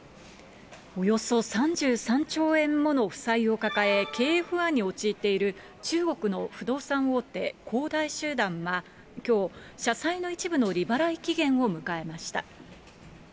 およそ３３兆円もの負債を抱え、経営不安に陥っている中国の不動産大手、恒大集団はきょう、社債の一部の利払い期限を迎えました。